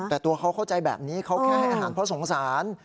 แต่ตัวเขาเข้าใจแบบนี้เขาแค่ให้อาหารเพราะสงสาร